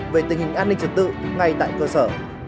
về tình hình an ninh trật tự ngay tại cơ sở